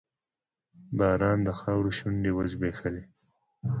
باران د خاورو شونډې وځبیښلې